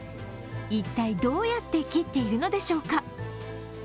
一体どうやって切っているのでしょうか。